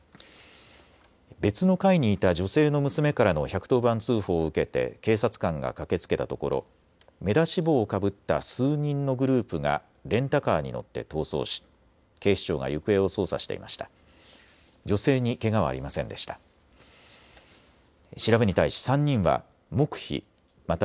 別の階にいた女性の娘からの１１０番通報を受けて警察官が駆けつけたところ目出し帽をかぶった数人のグループがレンタカーに乗って逃走し警視庁が行方を捜査していました。